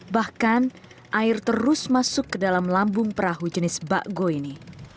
bahkan air terus masuk ke dalam lambung perahu jenis bakgo ini